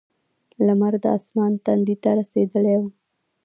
لمر د اسمان تندي ته رسېدلی و.